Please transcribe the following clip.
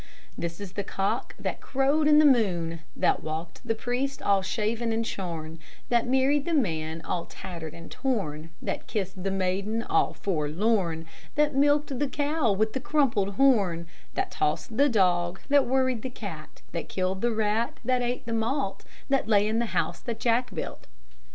This is the cock that crowed in the morn, That waked the priest all shaven and shorn, That married the man all tattered and torn, That kissed the maiden all forlorn, That milked the cow with the crumpled horn, That tossed the dog, That worried the cat, That killed the rat, That ate the malt That lay in the house that Jack built.